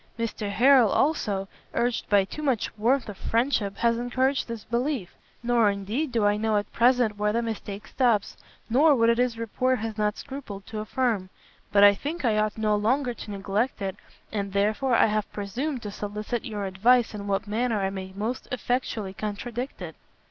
Mr Harrel, also, urged by too much warmth of friendship, has encouraged this belief; nor, indeed, do I know at present where the mistake stops, nor what it is report has not scrupled to affirm. But I think I ought no longer to neglect it, and therefore I have presumed to solicit your advice in what manner I may most effectually contradict it."